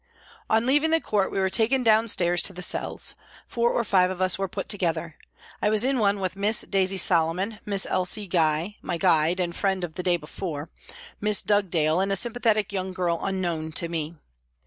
On leaving the court we were taken downstairs to the cells. Four or five of us were put together. I was in one with Miss Daisy Solomon, Miss Elsa Gye, my guide and friend of the day before, Miss Dugdale and a sympathetic young girl unknown to me.